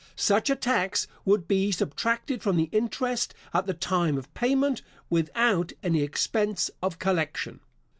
Such a tax would be subtracted from the interest at the time of payment, without any expense of collection.